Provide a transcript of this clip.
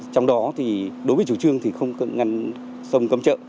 trong đó thì đối với chủ trương thì không cần ngăn sông cấm trợ